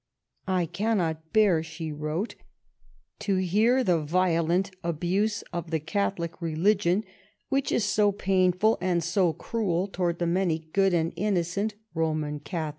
"I cannot bear," she wrote, "to hear the violent abuse of the Catholic religion, which is so painful and so cruel towards the many good and innocent Roman Catholics."